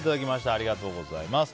ありがとうございます。